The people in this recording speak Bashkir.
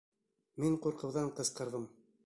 Мин ҡурҡыуҙан ҡысҡырҙым.